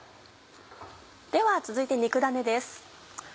では続いて肉だねです。